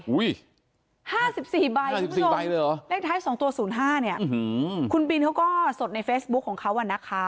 อุ๊ย๕๔ใบเลขท้าย๒ตัว๐๕เนี่ยคุณบินเขาก็สดในเฟซบุ๊กของเขานะค่ะ